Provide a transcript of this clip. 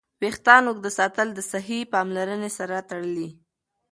ویښتان اوږد ساتل د صحي پاملرنې سره تړلي.